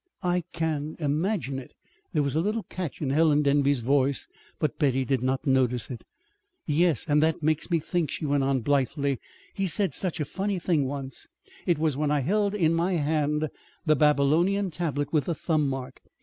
"I can imagine it!" There was a little catch in Helen Denby's voice, but Betty did not notice it. "Yes, and that makes me think," she went on blithely. "He said such a funny thing once. It was when I held in my hand the Babylonian tablet with the thumb mark.